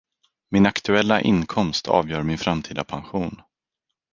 Min aktuella inkomst avgör min framtida pension.